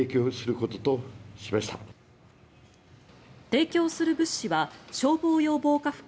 提供する物資は消防用防火服